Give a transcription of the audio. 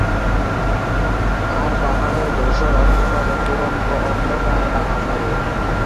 তার মা, Mary Mackie Smith, ছিলেন শিশুদের চলচ্চিত্রের চিত্রনাট্যকার।